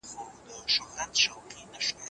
صابر شاه کابلي د احمد شاه ابدالي په سر څه کښيښودل؟